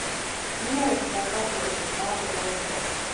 • مینه د احساساتو یو تلپاتې اور دی.